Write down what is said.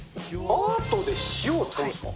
アートで塩を使うんですか？